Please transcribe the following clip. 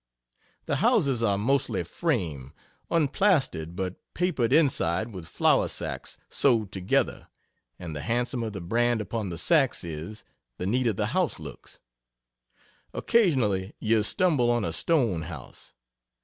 The houses are mostly frame, unplastered, but "papered" inside with flour sacks sewed together, and the handsomer the "brand" upon the sacks is, the neater the house looks. Occasionally, you stumble on a stone house.